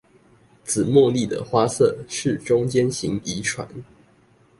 紫茉莉的花色是中間型遺傳